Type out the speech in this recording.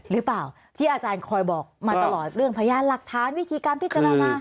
หรือเปล่าที่อาจารย์คอยบอกมาตลอดเรื่องพยานหลักฐานวิธีการพิจารณา